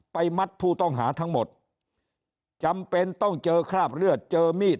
มัดผู้ต้องหาทั้งหมดจำเป็นต้องเจอคราบเลือดเจอมีด